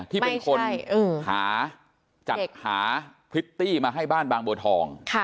ที่เป็นคนหาจัดหาพริตตี้มาให้บ้านบางบัวทอง